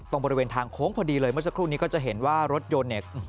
บริเวณทางโค้งพอดีเลยเมื่อสักครู่นี้ก็จะเห็นว่ารถยนต์เนี่ย